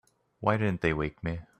Why didn't they wake me?